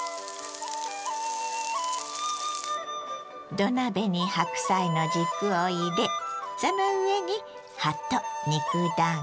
土鍋に白菜の軸を入れその上に葉と肉だんご。